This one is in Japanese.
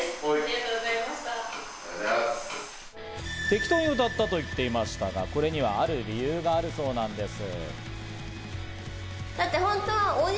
適当に歌ったと言っていましたが、これにはある理由があるそうなんです。